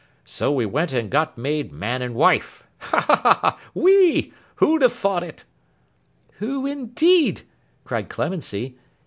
So we went and got made man and wife. Ha! ha! We! Who'd have thought it!' 'Who indeed!' cried Clemency.